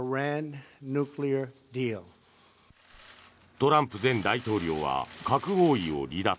トランプ前大統領は核合意を離脱。